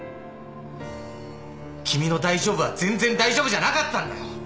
君の「大丈夫」は全然大丈夫じゃなかったんだよ。